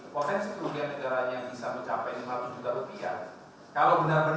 potensi kerugian negara yang seharusnya diperoleh dari bphbb atau biaya perolehan hak atas tanah dan bangunan